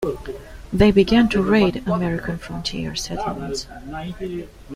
They began to raid American frontier settlements.